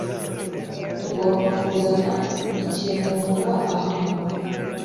Tugomba kuzana ikintu vuba aha.